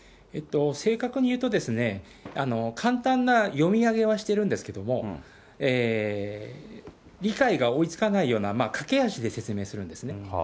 正確に言うと、簡単な読み上げはしてるんですけれども、理解が追いつかないような、駆け足で説明するんですね。